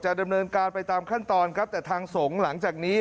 ดำเนินการไปตามขั้นตอนครับแต่ทางสงฆ์หลังจากนี้